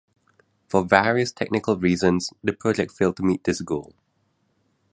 For various technical reasons the project failed to meet this goal.